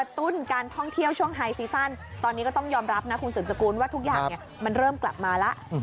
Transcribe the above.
ต้องไฮซีสันตอนนี้ก็ต้องยอมรับนะคุณศึกษกูลว่าทุกอย่างเนี่ยมันเริ่มกลับมาแล้ว